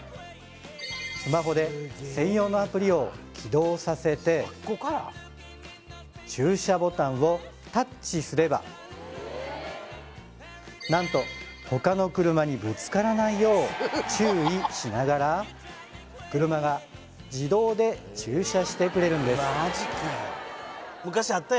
スマホで専用のアプリを起動させて駐車ボタンをタッチすれば何と他の車にぶつからないようスゴッ注意しながら車が自動で駐車してくれるんですマジかよ